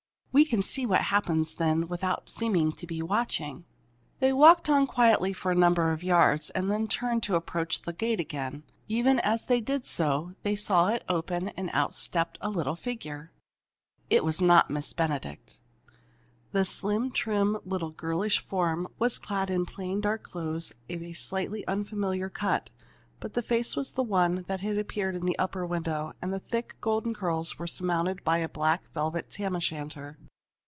We can see what happens then without seeming to be watching." They walked on quickly for a number of yards, and then turned to approach the gate again. Even as they did so they saw it open, and out stepped a little figure. It was not Miss Benedict! The slim, trim little girlish form was clad in plain dark clothes of a slightly unfamiliar cut. But the face was the one that had appeared in the upper window, and the thick golden curls were surmounted by a black velvet tam o' shanter.